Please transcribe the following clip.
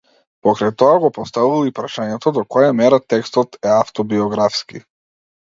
Покрај тоа го поставувал и прашањето до која мера текстот е автобиографски.